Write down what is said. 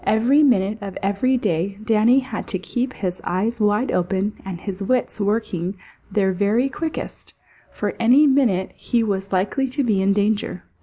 Every minute of every day Danny had to keep his eyes wide open and his wits working their very quickest, for any minute he was likely to be in danger.